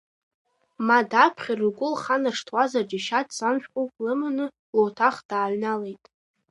Ма даԥхьар лгәы лханаршҭуазар џьашьа, дцан, шәҟәык лыманы, луаҭах дааҩналеит.